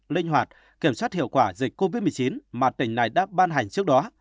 linh hoạt kiểm soát hiệu quả dịch covid một mươi chín mà tỉnh này đã ban hành trước đó